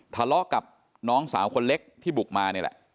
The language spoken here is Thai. ทะเลาะกับน้องสาวคนเล็กที่บุกมานี่แหละ